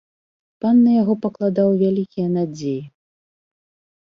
Пан на яго пакладаў вялікія надзеі.